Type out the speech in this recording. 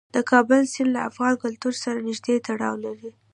د کابل سیند له افغان کلتور سره نږدې تړاو لري.